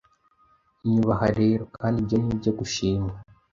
Nyubaha rero kandi ibyo ni ibyo gushimwa